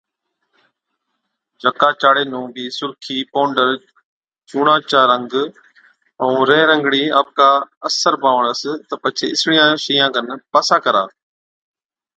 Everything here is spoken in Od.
جڪا چاڙي نُون بِي سُرخِي، پونڊر، چُونڻان چا رنگ ائُون رِيهرنگڻِي آپڪا اثر بانوَڻس تہ پڇي اِسڙِيان شئِيان کن پاسا ڪرا۔